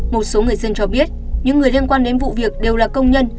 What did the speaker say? một số người dân cho biết những người liên quan đến vụ việc đều là công nhân